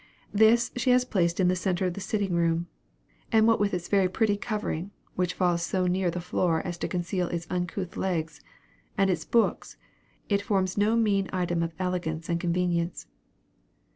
This she has placed in the centre of the sitting room; and what with its very pretty covering (which falls so near the floor as to conceal its uncouth legs), and its books, it forms no mean item of elegance and convenience.